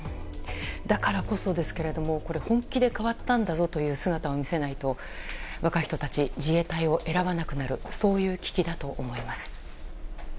だからこそですけどもこれ、本気で変わったんだぞという姿を見せないと若い人たち自衛隊を選ばなくなるそういう危機だと思います。